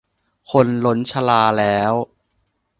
คนล้นชลาแล้ว